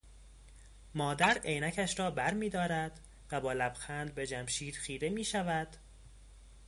مادر عینکش را برمیدارد و با لبخند به جمشید خیره می شود